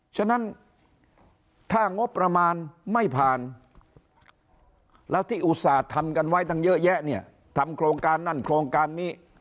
ฉะนั้นถ้างบประมาณไม่ผ่านแล้วที่อุตส่าห์ทำกันไว้ตั้งเยอะแยะเนี่ยทำโครงการนั่นโครงการนี้